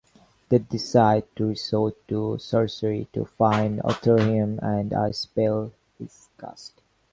They decide to resort to sorcery to find Otterheim, and a spell is cast.